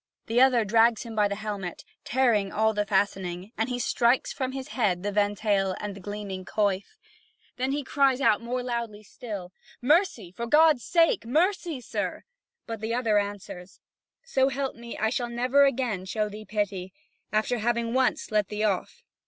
The other drags him by the helmet, tearing all the fastening, and he strikes from his head the ventail and the gleaming coif. Then he cries out more loudly still: "Mercy, for God's sake! Mercy, sir!" But the other answers: "So help me, I shall never again show thee pity, after having once let thee off."